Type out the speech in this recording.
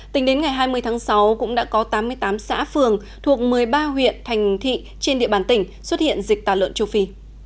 tính đến ngày hai mươi tháng sáu cũng đã có tám mươi tám xã phường thuộc một mươi ba huyện thành thị trên địa bàn tỉnh xuất hiện dịch tà lợn châu phi